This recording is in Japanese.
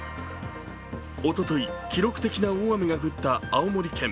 おととい記録的な大雨が降った青森県。